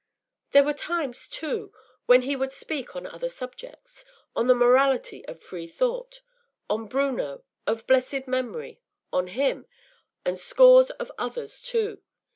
There were times, too, when he would speak on other subjects: on the morality of free thought on Bruno, of blessed memory, on him, and scores of others too.